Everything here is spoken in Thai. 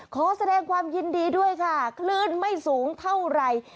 ขอแสดงความยินดีด้วยค่ะคลื่นไม่สูงเท่าไหร่